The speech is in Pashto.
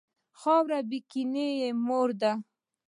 خاوره بېکینه مور ده.